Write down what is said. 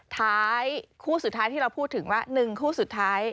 ท้ายคู่สุดท้ายที่เราพูดถึงว่า๑คู่สุดท้าย